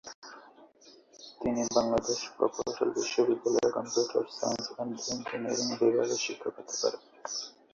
তিনি বাংলাদেশ প্রকৌশল বিশ্ববিদ্যালয়ের কম্পিউটার সায়েন্স এন্ড ইঞ্জিনিয়ারিং বিভাগে শিক্ষকতা করছেন।